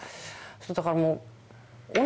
だからもう。